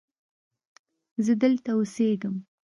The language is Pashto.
زه دلته اوسیږم.